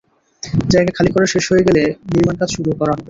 জায়গা খালি করা শেষ হয়ে গেলে, নিমার্ণ কাজ শুরু করা হবে।